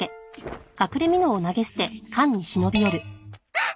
あっ！